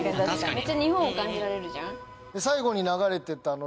めっちゃ日本を感じられるじゃん。